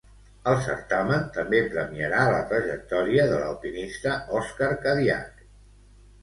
El certamen també premiarà la trajectòria de l'alpinista Òscar Cadiach.